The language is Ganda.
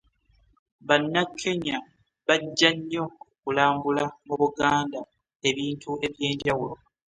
Bannakenya bajja nnyo okulambula mu Buganda ebintu eby'enjawulo